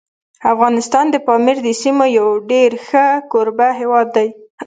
افغانستان د پامیر د سیمو یو ډېر ښه کوربه هیواد دی.